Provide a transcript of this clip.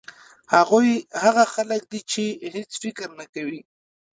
هغوی هغه خلک دي چې هېڅ فکر نه کوي.